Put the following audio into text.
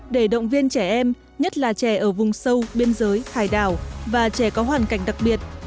để động viên trẻ em nhất là trẻ ở vùng sâu biên giới hải đảo và trẻ có hoàn cảnh đặc biệt